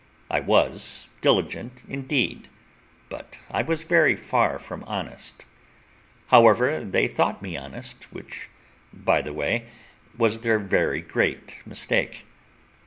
I was diligent indeed, but I was very far from honest; however, they thought me honest, which, by the way, was their very great mistake.